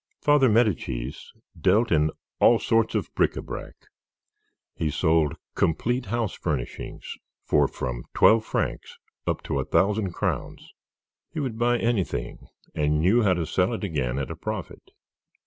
Father Medicis dealt in all sorts of bric à brac. He sold complete house furnishings for from twelve francs up to a thousand crowns. He would buy anything, and knew how to sell it again at a profit.